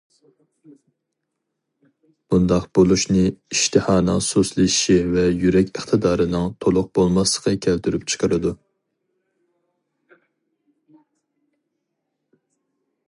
بۇنداق بولۇشنى ئىشتىھانىڭ سۇسلىشىشى ۋە يۈرەك ئىقتىدارىنىڭ تولۇق بولماسلىقى كەلتۈرۈپ چىقىرىدۇ.